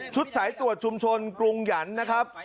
สายตรวจชุมชนกรุงหยันนะครับ